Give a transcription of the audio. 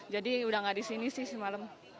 jadi udah nggak di sini sih semalam